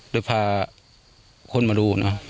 เลยพาคนมาดูนะ